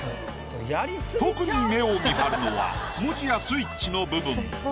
特に目をみはるのは文字やスイッチの部分。